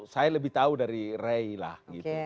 saya lebih tahu dari rey lah gitu